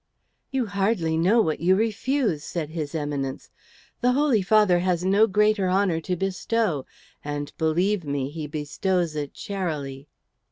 "You hardly know what you refuse," said his Eminence. "The Holy Father has no greater honour to bestow, and, believe me, he bestows it charily."